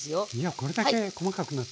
これだけ細かくなって。